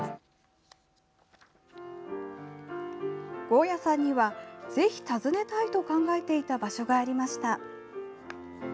合屋さんにはぜひ訪ねたいと考えていた場所がありました。